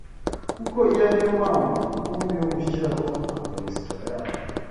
Kuko iyo ariyo mpamvu rukumbi yo gushyiraho amaresitora yacu.